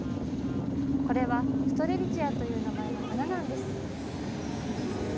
これはストレリチアという名前の花なんです。